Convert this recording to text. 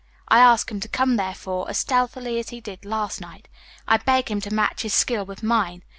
I ask him to come, therefore, as stealthily as he did last night. I beg him to match his skill with mine.